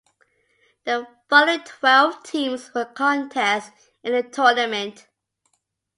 The following twelve teams will contest in the tournament.